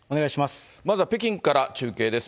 まずは北京から中継です。